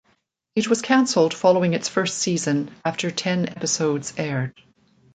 It was cancelled following its first season, after ten episodes aired.